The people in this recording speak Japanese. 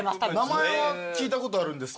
名前は聞いたことあるんですけど。